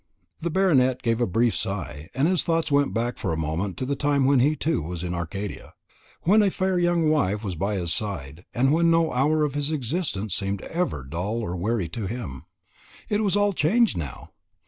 The Baronet gave a brief sigh, and his thoughts went back for a moment to the time when he too was in Arcadia; when a fair young wife was by his side, and when no hour of his existence seemed ever dull or weary to him. It was all changed now!